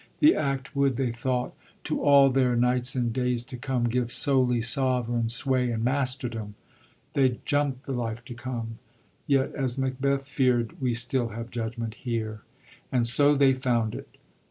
The act would, they thought —'* To all (their) nights and days to oome. Give solely sovereign sway and masterdom. ' They'd "jump the life to come." Yet, as Macbeth feard, " We still have judgment here." And so they found it.